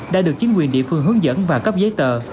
đã được chính quyền địa phương hướng dẫn và cấp giấy tờ